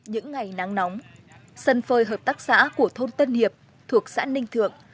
những ngày nắng nóng sân phơi hợp tác xã của thôn tân hiệp thuộc xã ninh thượng